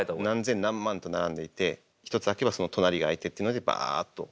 何千何万と並んでいて１つだけはその隣が開いてっていうのでバーッと。